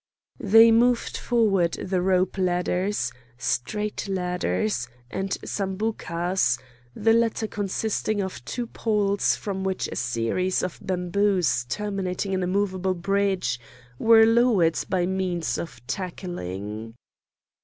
They moved forward the rope ladders, straight ladders, and sambucas, the latter consisting of two poles from which a series of bamboos terminating in a moveable bridge were lowered by means of tackling.